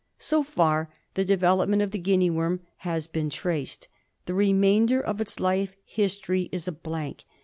So far the development of the guinea worm has been traced. The remainder of its life history is a blank.